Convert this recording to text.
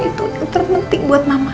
itu terpenting buat mama